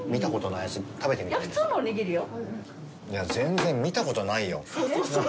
いや、全然見たことないよ。